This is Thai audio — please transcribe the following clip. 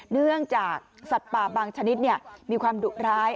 เนื่องจากสัตว์ป่าบางชนิดมีความดุร้าย